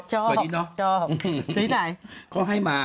ชอบชอบเลยหรอ